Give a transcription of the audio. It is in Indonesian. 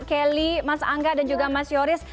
kelly mas angga dan juga mas yoris